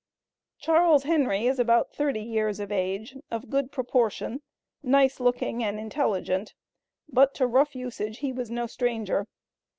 Charles Henry is about thirty years of age, of good proportion, nice looking and intelligent; but to rough usage he was no stranger.